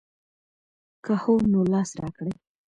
که هو نو لاس راکړئ.